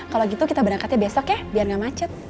kalau gitu kita berangkatnya besok ya biar nggak macet